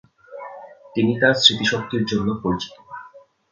তিনি তার স্মৃতিশক্তির জন্য পরিচিত।